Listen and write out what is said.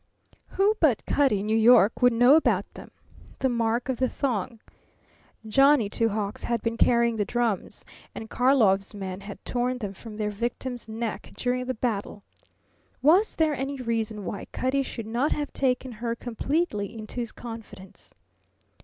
Who but Cutty in New York would know about them? The mark of the thong. Johnny Two Hawks had been carrying the drums, and Karlov's men had torn them from their victim's neck during the battle. Was there any reason why Cutty should not have taken her completely into his confidence?